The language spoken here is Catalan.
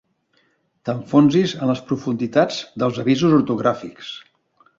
T'enfonsis en les profunditats dels avisos ortogràfics.